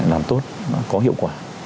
làm tốt có hiệu quả